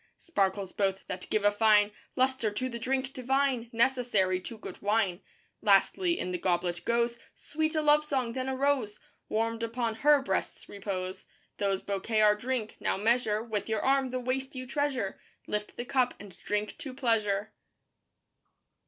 Sparkles both that give a fine Lustre to the drink divine, Necessary to good wine. Lastly in the goblet goes Sweet a love song, then a rose Warmed upon her breast's repose. These bouquet our drink. Now measure With your arm the waist you treasure Lift the cup and drink to Pleasure.